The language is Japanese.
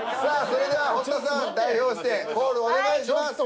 それでは堀田さん代表してコールお願いします。